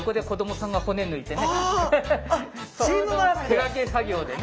手分け作業でね。